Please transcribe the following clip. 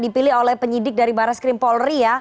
dipilih oleh penyidik dari barat skrimpolri